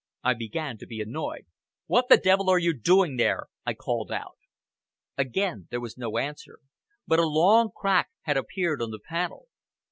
I began to be annoyed. "What the devil are you doing there?" I called out. Again there was no answer, but a long crack had appeared on the panel.